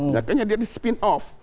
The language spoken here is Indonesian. nah kayaknya jadi spin off